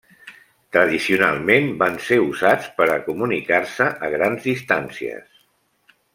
Tradicionalment, van ser usats per a comunicar-se a grans distàncies.